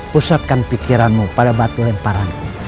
pusatkan pikiranmu pada batu lemparan